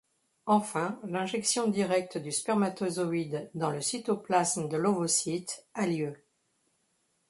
Enfin, l’injection directe du spermatozoïde dans le cytoplasme de l’ovocyte a lieu.